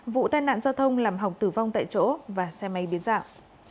vụ tai nạn giao thông làm học tử vong tại chỗ và xe máy biến dạo